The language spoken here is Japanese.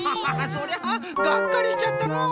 そりゃがっかりしちゃったのう。